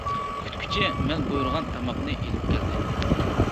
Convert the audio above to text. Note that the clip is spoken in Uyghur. كۈتكۈچى مەن بۇيرۇغان تاماقنى ئېلىپ كەلدى.